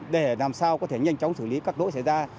để làm sao có thể nhanh chóng xử lý các lỗi xảy ra